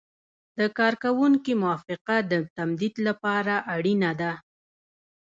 د کارکوونکي موافقه د تمدید لپاره اړینه ده.